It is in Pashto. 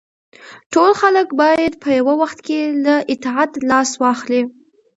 ټول خلک باید په یو وخت له اطاعت لاس واخلي.